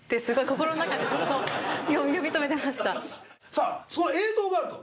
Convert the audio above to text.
さぁその映像があると。